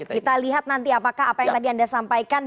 kita lihat nanti apakah apa yang tadi anda sampaikan